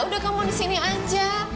udah kamu di sini aja